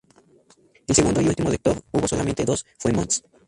El segundo y último Rector –hubo solamente dos- fue Mons.